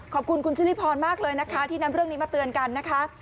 ขอบคุณคุณชิริพรมากเลยนะคะที่นำเรื่องนี้มาเตือนกันนะคะ